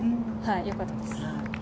よかったです。